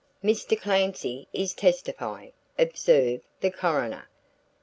"Mr. Clancy is testifying," observed the coroner.